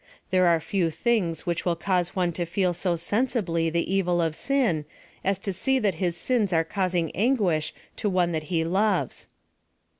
There are few things which will cause one to feel so sensibly the evil of sin,, as to see that his sins axe causing anguish to one that he loves.